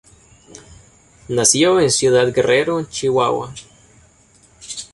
Nació en Ciudad Guerrero, Chihuahua.